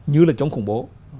như là chống khủng bố